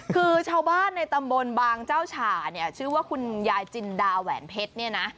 คือชาวบ้านในตำบลบางเจ้าฉ่าเนี่ยชื่อว่าคุณยายจินดาแหวนเพชรเนี่ยนะ